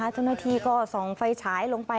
เจ้าหน้าที่ก็ส่องไฟฉายลงไป